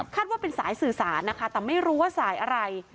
ว่าเป็นสายสื่อสารนะคะแต่ไม่รู้ว่าสายอะไร